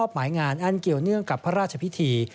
หมายงานอันเกี่ยวเนื่องกับพระราชพิธี